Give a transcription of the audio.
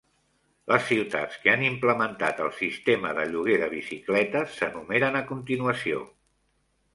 Les ciutats que han implementat el sistema de lloguer de bicicletes s'enumeren a continuació.